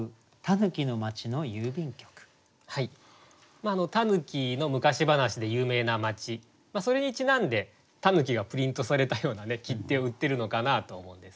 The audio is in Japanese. まあ狸の昔話で有名な町それにちなんで狸がプリントされたような切手を売っているのかなと思うんです。